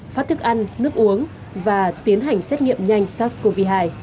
phát thức ăn nước uống và tiến hành xét nghiệm nhanh sars cov hai